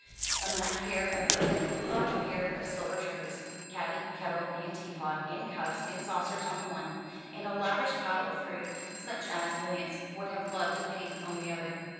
A match pair of footmen brought a pair of silver trays: caddy, kettle, and teapot, and cups and saucers on one; and a lavish pile of fruit, such as Lance would have loved to paint, on the other.